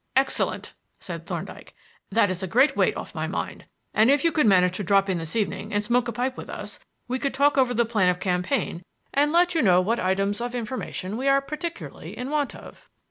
"Excellent!" said Thorndyke. "That is a great weight off my mind. And if you could manage to drop in this evening and smoke a pipe with us we could talk over the plan of campaign and let you know what items of information we are particularly in want of."